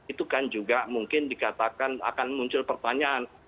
itu kan juga mungkin dikatakan akan muncul pertanyaan